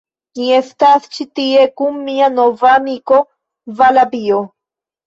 Mi estas ĉi tie kun mia nova amiko, Valabio.